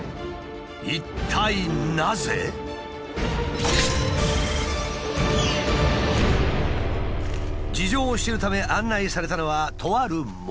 一体なぜ？事情を知るため案内されたのはとある森。